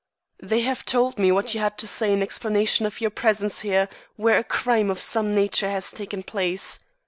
"They have told me what you had to say in explanation of your presence here where a crime of some nature has taken place.